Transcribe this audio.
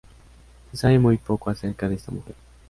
Se sabe muy poco acerca de esta mujer.